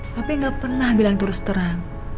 tapi gak pernah bilang terus terang